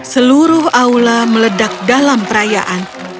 seluruh aula meledak dalam perayaan